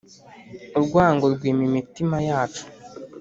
urwango rwima imitima yacu